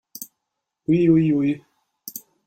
Ui ui ui!